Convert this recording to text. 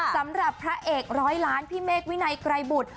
สำหรับพระเอกร้อยล้านพี่เมฆวินัยไกรบุตร